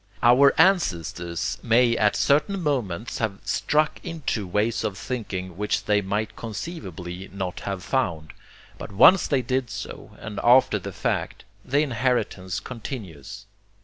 Our ancestors may at certain moments have struck into ways of thinking which they might conceivably not have found. But once they did so, and after the fact, the inheritance continues.